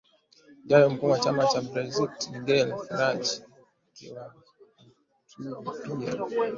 ijayo Mkuu wa chama cha Brexit Nigel Farage akiwahutubia